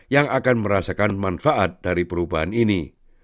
yang akan merasakan manfaat dari perubahan ini